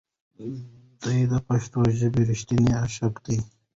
دی د پښتو ژبې رښتینی عاشق دی.